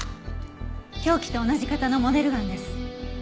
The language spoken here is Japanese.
凶器と同じ型のモデルガンです。